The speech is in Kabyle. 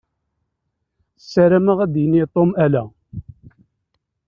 Sarameɣ ad d-yini Tom ala.